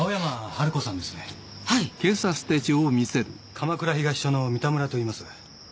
鎌倉東署の三田村といいます。